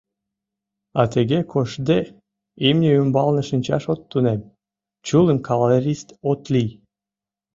— А тыге коштде, имне ӱмбалне шинчаш от тунем, чулым кавалерист от лий.